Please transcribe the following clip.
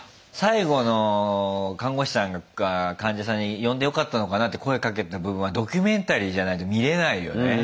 最後の看護師さんが患者さんに呼んでよかったのかなって声かけた部分はドキュメンタリーじゃないと見れないよね。